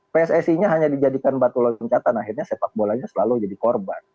pssi nya hanya dijadikan batu loncatan akhirnya sepak bolanya selalu jadi korban